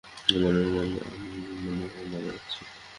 আমার মনে হয় মারা যাচ্ছি।